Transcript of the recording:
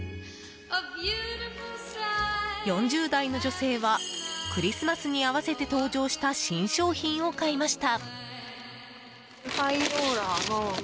４０代の女性はクリスマスに合わせて登場した新商品を買いました。